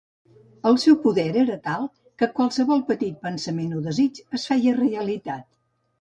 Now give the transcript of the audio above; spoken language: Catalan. El seu poder era tal, que qualsevol petit pensament o desig es feia realitat.